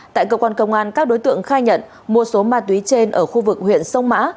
tại cơ quan công an các đối tượng khai nhận mua số ma túy trên ở khu vực huyện sông mã